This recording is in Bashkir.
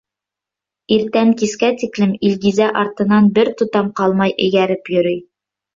Иртәнән кискә тиклем Илгизә артынан бер тотам ҡалмай эйәреп йөрөй.